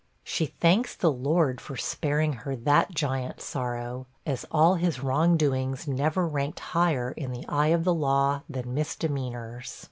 She thanks the Lord for sparing her that giant sorrow, as all his wrong doings never ranked higher, in the eye of the law, than misdemeanors.